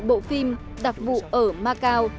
bộ phim đặc vụ ở macau